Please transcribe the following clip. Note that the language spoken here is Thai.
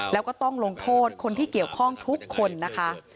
แล้วก็ต้องลงโทษคนที่เกี่ยวข้องทุกคนนะคะ